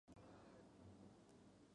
Membrana mitocondrial interna.